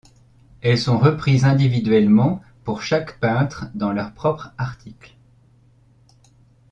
Elles sont reprises individuellement pour chaque peintre dans leur propre article.